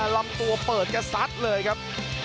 ลำตัวเปิดกับสัตว์เลยครับ